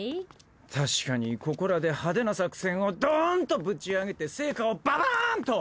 確かにここらで派手な作戦をドン！とぶち上げて成果をババン！と。